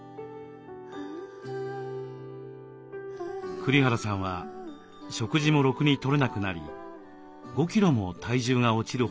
栗原さんは食事もろくに取れなくなり５キロも体重が落ちるほど憔悴。